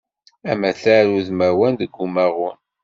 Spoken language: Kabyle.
Amatar udmawan deg umaɣun.